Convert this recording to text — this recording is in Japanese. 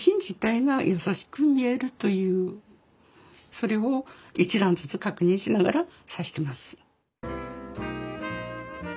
それを一段ずつ確認しながら刺してます。